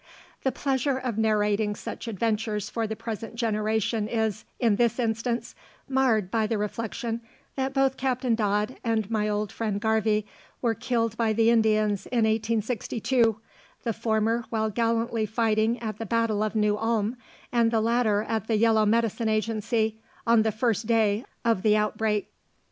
The pleasure of narrating such adventures for the present generation is, in this instance, marred by the reflection that both Captain Dodd and my old friend Garvie were killed by the Indians in 1862, the former while gallantly fighting at the battle of New Ulm, and the latter at the Yellow Medicine Agency, on the first day of the outbreak.